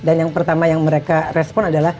dan yang pertama yang mereka respon adalah